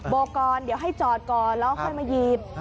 ก่อนเดี๋ยวให้จอดก่อนแล้วค่อยมาหยิบ